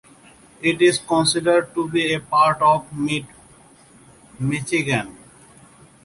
It is considered to be a part of Mid Michigan.